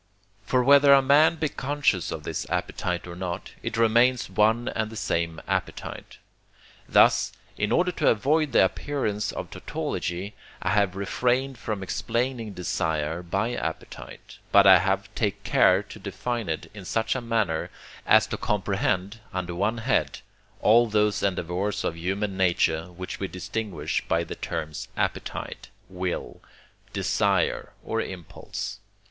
For whether a man be conscious of his appetite or not, it remains one and the same appetite. Thus, in order to avoid the appearance of tautology, I have refrained from explaining desire by appetite; but I have take care to define it in such a manner, as to comprehend, under one head, all those endeavours of human nature, which we distinguish by the terms appetite, will, desire, or impulse.